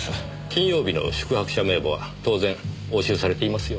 金曜日の宿泊者名簿は当然押収されていますよね？